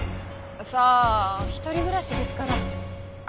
さあ一人暮らしですから。